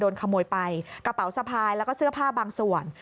ขโมยไปกระเป๋าสะพายแล้วก็เสื้อผ้าบางส่วน